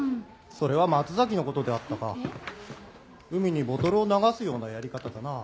それは松崎のことであったか海にボトルを流すようなやり方だなぁ。